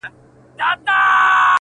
دا برخه د کيسې تر ټولو توره مرحله ده-